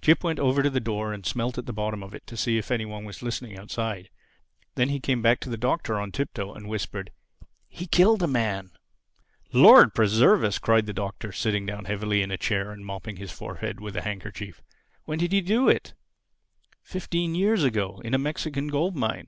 Jip went over to the door and smelt at the bottom of it to see if any one were listening outside. Then he came back to the Doctor on tiptoe and whispered, "He killed a man!" "Lord preserve us!" cried the Doctor, sitting down heavily in a chair and mopping his forehead with a handkerchief. "When did he do it?" "Fifteen years ago—in a Mexican gold mine.